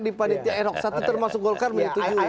di panitia eroksatu termasuk golkarmi itu juga